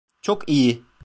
Çok iyi!